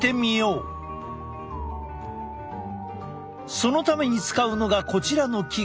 そのために使うのがこちらの器具。